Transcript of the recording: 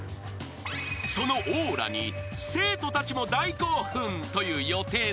［そのオーラに生徒たちも大興奮という予定のシナリオ］